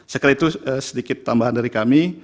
sekali itu sedikit tambahan dari kami